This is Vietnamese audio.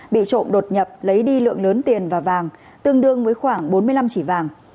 bị trộm đột nhập lấy đi lượng lớn tiền và vàng tương đương với khoảng bốn mươi năm chỉ vàng